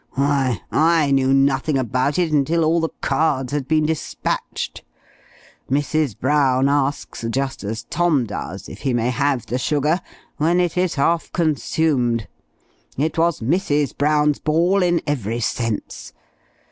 why I knew nothing about it until all the cards had been despatched. Mrs. Brown asks just as Tom does, if he may have the sugar, when it is half consumed: It was Mrs. Brown's ball in every sense.